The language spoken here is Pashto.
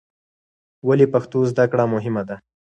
ولې پښتو زده کړه مهمه ده؟